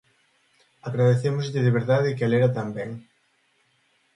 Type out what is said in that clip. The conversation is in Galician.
Agradecémoslle de verdade que a lera tan ben.